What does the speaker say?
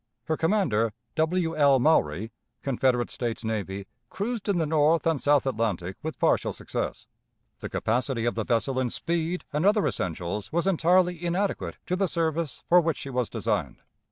Her commander, W. L. Maury, Confederate States Navy, cruised in the North and South Atlantic with partial success. The capacity of the vessel in speed and other essentials was entirely inadequate to the service for which she was designed.